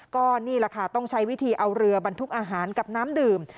ก็นี่แหละค่ะต้องใช้วิธีเอาเรือบรรทุกอาหารกับน้ำดื่ม